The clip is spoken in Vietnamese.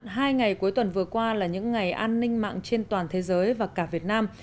hai ngày cuối tuần vừa qua là những ngày an ninh mạng trên toàn thế giới và cả việt nam